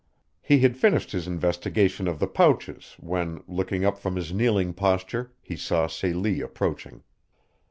He had finished his investigation of the pouches when, looking up from his kneeling posture, he saw Celie approaching.